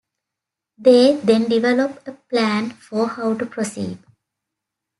They then develop a plan for how to proceed.